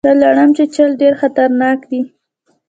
د لړم چیچل ډیر خطرناک دي